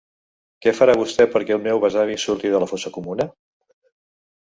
Què farà vostè perquè el meu besavi surti de la fossa comuna?